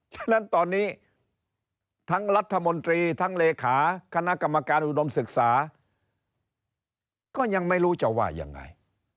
ฉะนั้นตอนนี้ทั้งรัฐมนตรีทั้งเลขาคณะกรรมการอุดมศึกษาก็ยังไม่รู้จะว่ายังไง